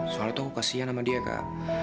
soalnya tuh aku kasihan sama dia kak